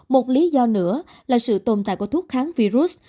một lý do nữa là sự tồn tại của thuốc kháng virus